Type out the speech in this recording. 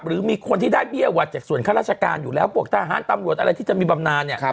หรือมีคนที่ได้เบี้ยหวัดจากส่วนข้าราชการอยู่แล้วพวกทหารตำรวจอะไรที่จะมีบำนานเนี่ย